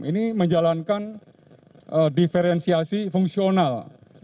ini menjalankan diferensiasi fungsional